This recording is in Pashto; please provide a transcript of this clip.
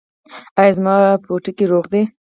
ایا زما پوټکی روغ دی؟